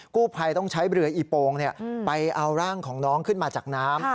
กู้ภัยต้องใช้เรืออีโปงไปเอาร่างของน้องขึ้นมาจากน้ำ